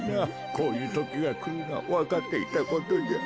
こういうときがくるのはわかっていたことじゃ。